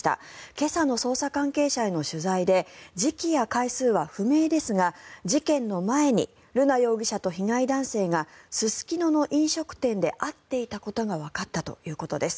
今朝の捜査関係者への取材で時期や回数は不明ですが事件の前に瑠奈容疑者と被害男性がすすきのの飲食店で会っていたことがわかったということです。